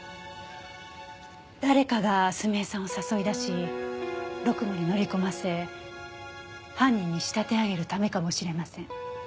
誰かが澄江さんを誘い出しろくもんに乗り込ませ犯人に仕立て上げるためかもしれません。